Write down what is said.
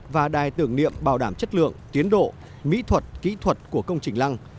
và đài tưởng niệm bảo đảm chất lượng tiến độ mỹ thuật kỹ thuật của công trình lăng